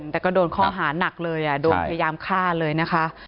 แต่ก็โดนข้อหานักเลยโดนพยายามฆ่าเลยนะคะ